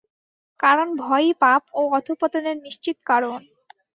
কারণ ভয়ই পাপ ও অধঃপতনের নিশ্চিত কারণ।